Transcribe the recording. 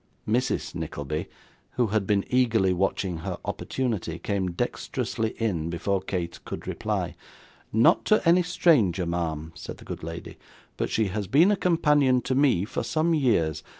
Mrs. Nickleby, who had been eagerly watching her opportunity, came dexterously in, before Kate could reply. 'Not to any stranger, ma'am,' said the good lady; 'but she has been a companion to me for some years.